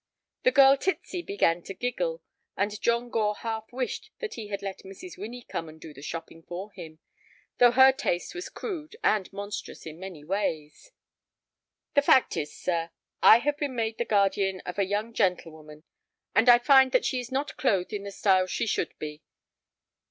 The girl Titsy began to giggle, and John Gore half wished that he had let Mrs. Winnie come and do the shopping for him, though her taste was crude and monstrous in many ways. "The fact is, sir, I have been made the guardian of a young gentlewoman, and I find that she is not clothed in the style she should be.